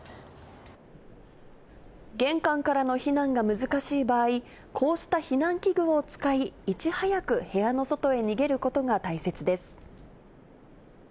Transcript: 玄関からの避難が難しい場合、こうした避難器具を使い、いち早く部屋の外へ逃げることが大切です。